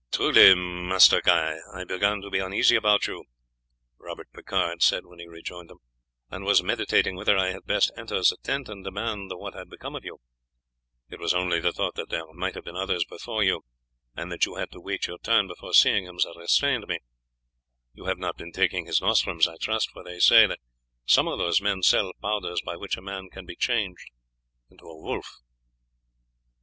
"Truly, Master Guy, I began to be uneasy about you," Robert Picard said when he rejoined him, "and was meditating whether I had best enter the tent, and demand what had become of you. It was only the thought that there might have been others before you, and that you had to wait your turn before seeing him, that restrained me. You have not been taking his nostrums, I trust; for they say that some of those men sell powders by which a man can be changed into a wolf."